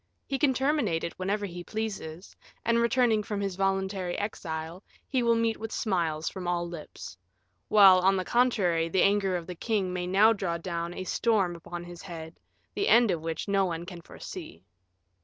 He can terminate it whenever he pleases, and returning from his voluntary exile, he will meet with smiles from all lips; while, on the contrary, the anger of the king may now draw down a storm upon his head, the end of which no one can foresee."